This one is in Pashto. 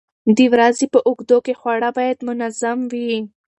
د ورځې په اوږدو کې خواړه باید منظم وي.